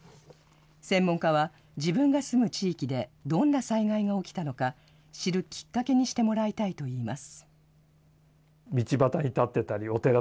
専門家は自分が住む地域でどんな災害が起きたのか、知るきっかけにしてもらいたいといいます。